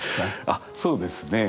あそうですねえ